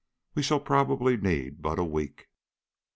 We shall probably need but a week."